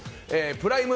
プライム